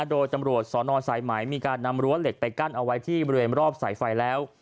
โดยตำรวจสนสายไหมมีการนำรั้วเหล็กไปกั้นเอาไว้ที่บริเวณรอบสายไฟแล้ว